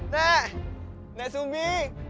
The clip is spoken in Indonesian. nek nek sumbi